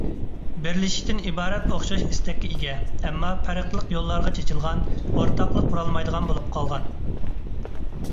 بىرلىشىشتىن ئىبارەت ئوخشاش ئىستەككە ئىگە، ئەمما پەرقلىق يوللارغا چېچىلغان، ئورتاقلىق قۇرالمايدىغان بولۇپ قالغان.